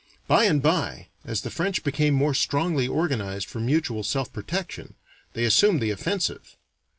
By and by, as the French became more strongly organized for mutual self protection, they assumed the offensive.